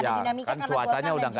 ya kan cuacanya udah kan